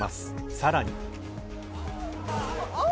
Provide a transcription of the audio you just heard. さらに。